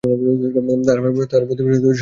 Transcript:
তাঁহারা আমার প্রতি খুব সদ্ব্যবহার করিয়াছিলেন।